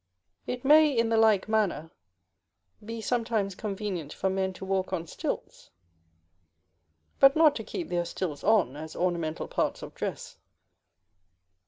It may, in the like manner, be sometimes convenient for men to walk on stilts, but not to keep their stilts on as ornamental parts of dress.